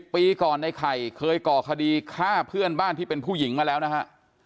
ปีก่อนในไข่เคยก่อคดีฆ่าเพื่อนบ้านที่เป็นผู้หญิงมาแล้วนะฮะ